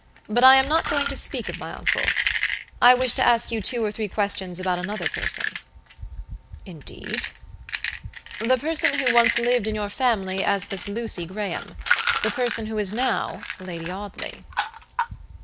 "But I am not going to speak of my uncle. I wish to ask you two or three questions about another person." "Indeed." "The person who once lived in your family as Miss Lucy Graham; the person who is now Lady Audley."